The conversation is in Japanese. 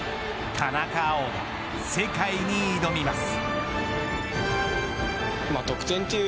田中碧が世界に挑みます。